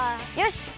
よし！